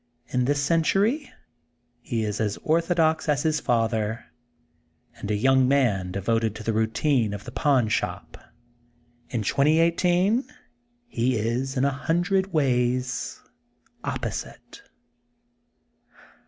In this century he is as ortho dox as his father, and a young man devoted to the routine of the pawn shop. In 2018 he is in a hundred ways opposite.